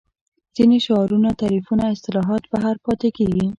ځینې شعارونه تعریفونه اصطلاحات بهر پاتې کېږي